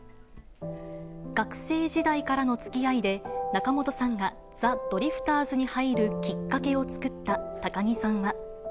学生時代からのつきあいで、仲本さんがザ・ドリフターズに入るきっかけを作った高木さんは。